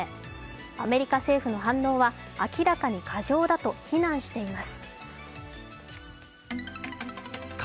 アメリカ政府の反応は明らかに過剰だと非難しています。